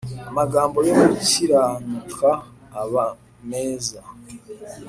Amagambo yo gukiranuka aba meza